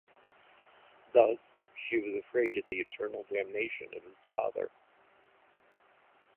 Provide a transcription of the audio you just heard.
Thus, she was afraid of the eternal damnation of his father.